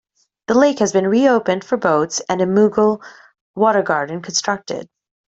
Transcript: The lake has been re-opened for boats and a Mughal Water Garden constructed.